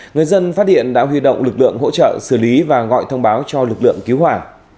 người dân phát điện đã huy động lực lượng hỗ trợ xử lý và gọi thông báo cho lực lượng cứu hỏa